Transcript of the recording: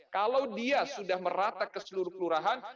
kalau dia sudah merata ke seluruh kelurahan